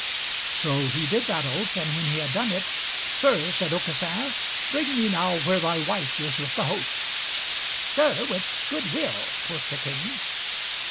So he did that oath, and when he had done it, "Sir," said Aucassin, "bring me now where thy wife is with the host." "Sir, with good will," quoth the King.